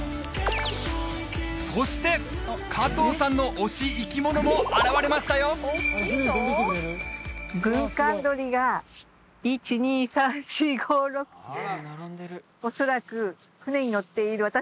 そして加藤さんの推し生き物も現れましたよきました！